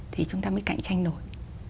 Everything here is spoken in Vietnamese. thì chúng ta mới cạnh tranh nổi